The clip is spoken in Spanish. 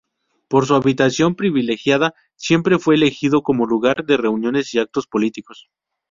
Por su habitación privilegiada, siempre fue elegido como lugar de reuniones y actos políticos.